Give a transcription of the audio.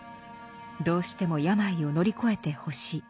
どうしても病を乗り越えてほしい。